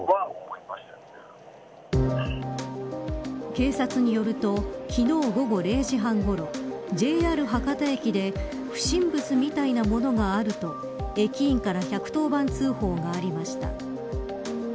警察によると昨日午後０時半ごろＪＲ博多駅で不審物みたいなものがあると駅員から１１０番通報がありました。